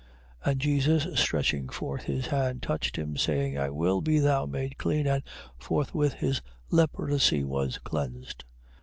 8:3. And Jesus stretching forth his hand, touched him, saying: I will, be thou made clean. And forthwith his leprosy was cleansed.